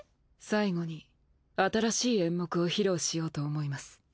最後に新しい演目を披露しようと思います。